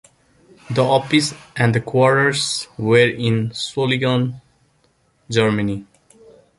The office and the quarters where in Solingen, Germany.